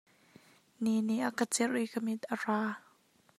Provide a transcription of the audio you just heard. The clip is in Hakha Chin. Ni nih a ka cerh i ka mit a ra.